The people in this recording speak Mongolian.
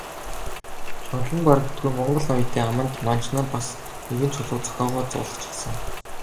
Шунал нь барагддаггүй монгол ноёдын аманд манж нар бас нэгэн чулуу зохиогоод зуулгачихсан.